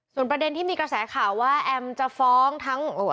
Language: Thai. ส่วนประเด็นที่มีกระแสข่าวว่าแอมจะฟ้องทั้ง